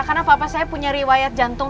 karena papa saya punya riwayat jantung